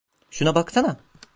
Şuna baksana.